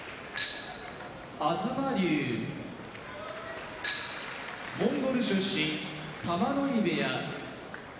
東龍モンゴル出身玉ノ井部屋